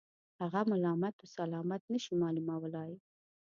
هغه ملامت و سلامت نه شي معلومولای.